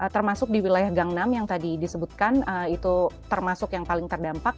termasuk di wilayah gang enam yang tadi disebutkan itu termasuk yang paling terdampak